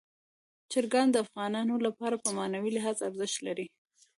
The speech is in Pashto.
چرګان د افغانانو لپاره په معنوي لحاظ ارزښت لري.